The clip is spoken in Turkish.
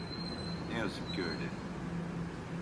Ne yazık ki öyle.